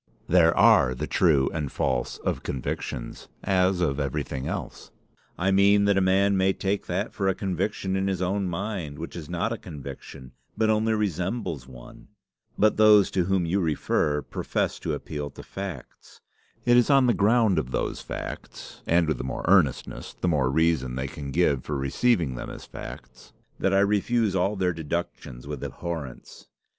"There are the true and false of convictions, as of everything else. I mean that a man may take that for a conviction in his own mind which is not a conviction, but only resembles one. But those to whom you refer profess to appeal to facts. It is on the ground of those facts, and with the more earnestness the more reason they can give for receiving them as facts, that I refuse all their deductions with abhorrence.